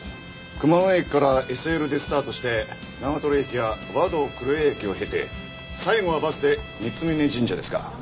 熊谷駅からＳＬでスタートして長駅や和銅黒谷駅を経て最後はバスで三峯神社ですか。